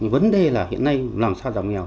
vấn đề là hiện nay làm sao giảm nghèo